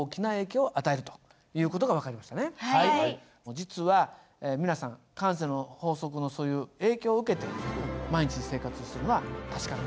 実は皆さん慣性の法則のそういう影響を受けて毎日生活しているのは確かなんです。